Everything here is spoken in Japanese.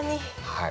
はい。